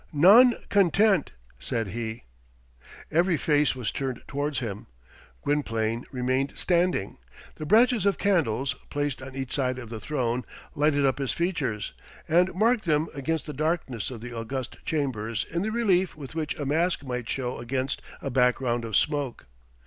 "Non content," said he. Every face was turned towards him. Gwynplaine remained standing. The branches of candles, placed on each side of the throne, lighted up his features, and marked them against the darkness of the august chamber in the relief with which a mask might show against a background of smoke.